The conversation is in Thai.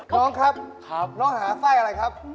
น้องครับน้องหาไส้อะไรครับ